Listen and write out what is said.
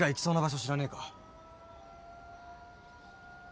知らねえか？